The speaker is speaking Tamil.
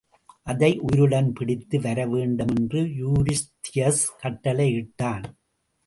அதை உயிருடன் பிடித்து வர வேண்டுமென்று யூரிஸ்தியஸ் கட்டளையிட்டான்.